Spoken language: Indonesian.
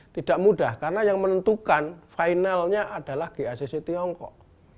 tidak mudah karena yang menentukan finalnya adalah gacc tiongkok